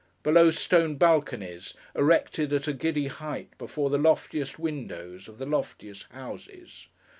Below stone balconies, erected at a giddy height, before the loftiest windows of the loftiest houses.